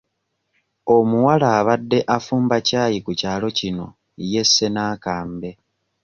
Omuwala abadde afumba ccaayi ku kyalo kino yesse n'akambe